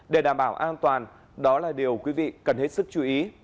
để đảm bảo an toàn đó là điều quý vị cần hết sức chú ý